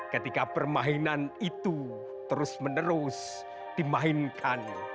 ketika permainan itu terus menerus dimainkan